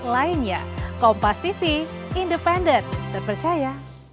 lainnya kompas tv independen terpercaya